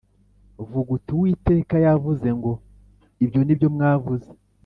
Vuga uti uwiteka yavuze ngo ibyo ni byo mwavuze